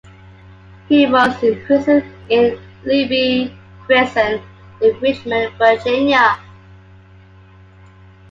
He was imprisoned in Libby Prison in Richmond, Virginia.